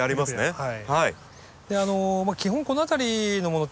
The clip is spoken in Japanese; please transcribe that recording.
はい。